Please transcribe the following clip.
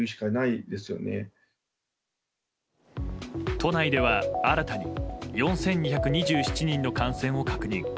都内では新たに４２２７人の感染を確認。